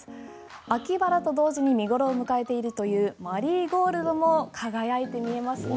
秋バラと同時に見頃を迎えているというマリーゴールドも輝いて見えますね。